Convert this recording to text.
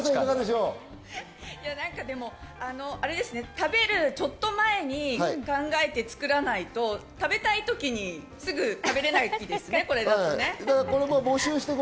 食べるちょっと前に考えて作らないと食べたい時にすぐ食べれないわけですね。